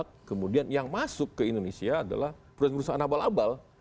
kemudian yang masuk ke indonesia adalah perusahaan perusahaan abal abal